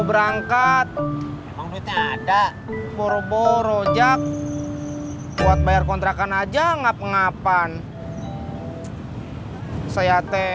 diangkat ada boroboro jack buat bayar kontrakan aja ngap ngapan saya teh